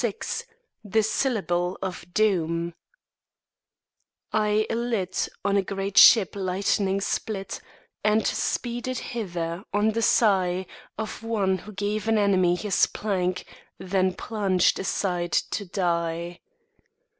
XXVI THE SYLLABLE OF DOOM I alit On a great ship lightning split, And speeded hither on the sigh Of one who gave an enemy His plank, then plunged aside to die.